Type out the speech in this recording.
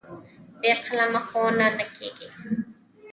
بې قلمه ښوونه نه کېږي.